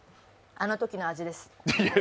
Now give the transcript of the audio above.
あのときの味です。